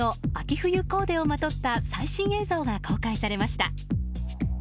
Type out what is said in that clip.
冬コーデをまとった最新映像が公開されました。